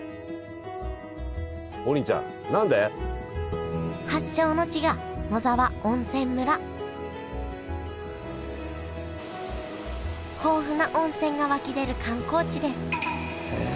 王林ちゃん何で？発祥の地が野沢温泉村豊富な温泉が湧き出る観光地ですへえ。